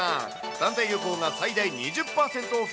団体旅行が最大２０％オフ。